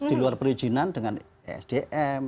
di luar perizinan dengan esdm